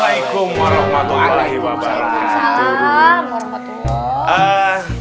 waalaikumsalam warahmatullahi wabarakatuh